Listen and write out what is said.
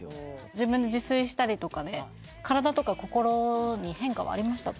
自分で自炊したりとかで体とか心に変化はありましたか？